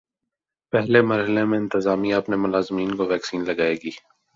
پہلے مرحلے میں انتظامیہ اپنے ملازمین کو ویکسین لگائے گی